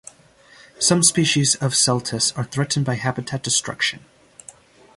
Some species of "Celtis" are threatened by habitat destruction.